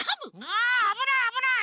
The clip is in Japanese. ああぶないあぶない！